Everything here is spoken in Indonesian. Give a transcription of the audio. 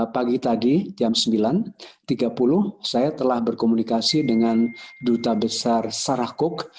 pagi tadi jam sembilan tiga puluh saya telah berkomunikasi dengan duta besar sarah cook